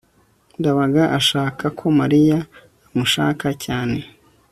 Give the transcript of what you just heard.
ndabaga ashaka ko mariya amushaka cyane